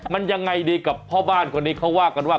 มันยังไงดีกับพ่อบ้านคนนี้เขาว่ากันว่า